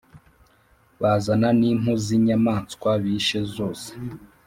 bazana n' impu z' inyamaswa bishezose,